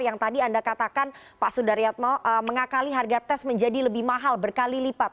yang tadi anda katakan pak sudaryatmo mengakali harga tes menjadi lebih mahal berkali lipat